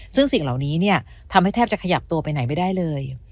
ซึ่งสิ่งเหล่านี้เนี่ยทำให้แทบจะขยับตัวไปไหนไม่ได้เลย